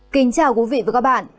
kính chào quý vị và các bạn